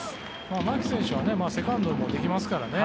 牧選手はセカンドもできますからね。